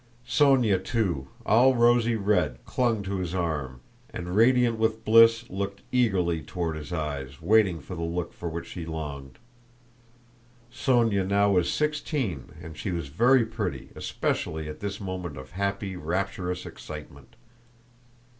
Sónya too, all rosy red, clung to his arm and, radiant with bliss, looked eagerly toward his eyes, waiting for the look for which she longed. Sónya now was sixteen and she was very pretty, especially at this moment of happy, rapturous excitement.